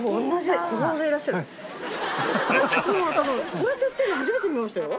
こうやって売ってるの初めて見ましたよ。